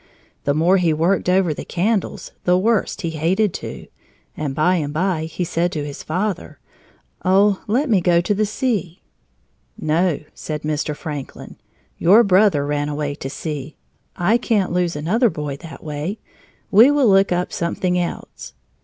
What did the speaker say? The more he worked over the candles, the worse he hated to, and by and by he said to his father: "Oh, let me go to sea!" "No," said Mr. Franklin, "your brother ran away to sea. I can't lose another boy that way. We will look up something else."